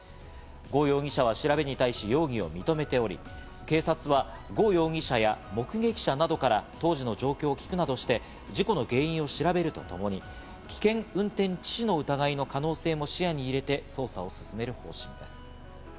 呉容疑者は調べに対し、容疑を認めており、警察は呉容疑者や目撃者などから、当時の状況を聞くなどして事故の原因を調べるとともに、危険運転致死の疑いの可能性も視野に入れて捜査を進める方針です。